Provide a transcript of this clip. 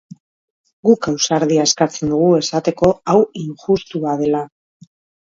Guk ausardia eskatzen dugu esateko hau injustua dela.